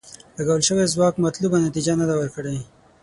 لګول شوی ځواک مطلوبه نتیجه نه ده ورکړې.